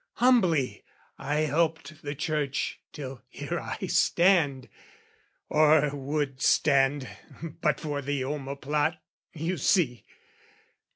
Humbly I helped the Church till here I stand, Or would stand but for the omoplat, you see!